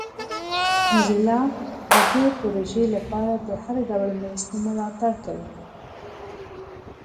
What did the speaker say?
موزیلا د دې پروژې لپاره د هر ډول مرستې ملاتړ کوي.